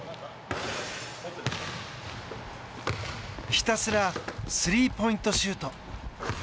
ひたすらスリーポイントシュート。